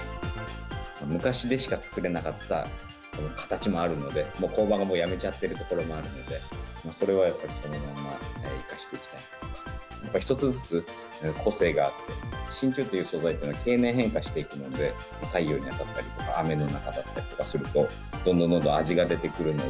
昔でしか作れなかった形もあるので、工場もやめちゃっているところもあるので、それはやっぱりそのまま生かしていきたいなと、一つずつ個性があって、しんちゅうという素材というのは経年変化していくので、太陽に当たったりとか、雨の中だったりとかすると、どんどんどん